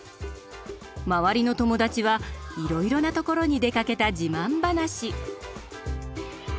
周りの友達はいろいろなところに出かけた自慢話。